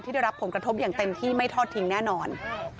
ได้รับผลกระทบอย่างเต็มที่ไม่ทอดทิ้งแน่นอน